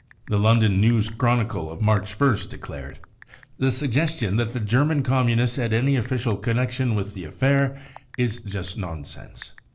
The London News Chronicle of March ist declared : f " The suggestion that the German Communists had any official connection with the affair is just nonsense."